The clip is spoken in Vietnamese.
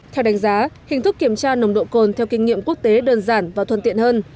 theo đánh giá hình thức kiểm tra nồng độ cồn theo kinh nghiệm quốc tế đơn giản và thuận tiện hơn